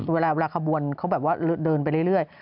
เวลาขบวนเขาแบบว่าเดินไปเรื่อย